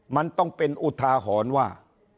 มันต้องเป็นอุทาหรณ์ว่า